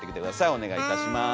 お願いいたします。